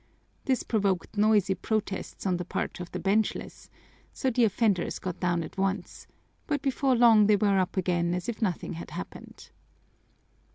This provoked noisy protests on the part of the benchless, so the offenders got down at once; but before long they were up again as if nothing had happened.